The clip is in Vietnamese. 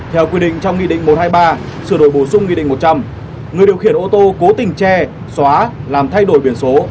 theo quy định trong nghị định một trăm hai mươi ba sửa đổi bổ sung nghị định một trăm linh người điều khiển ô tô cố tình che xóa làm thay đổi biển số